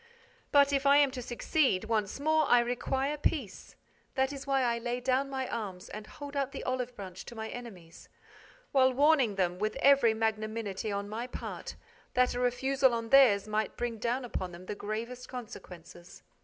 But, if I am to succeed, once more, I require peace. That is why I lay down my arms and hold out the olive branch to my enemies—while warning them, with every magnanimity on my part, that a refusal on theirs might bring down upon them the gravest consequences.